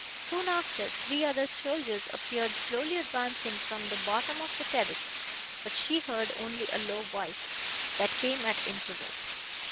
Soon after, three other soldiers appeared slowly advancing from the bottom of the terrace, but she heard only a low voice, that came at intervals.